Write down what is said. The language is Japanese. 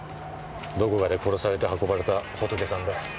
どこかで殺されて運ばれたホトケさんだ。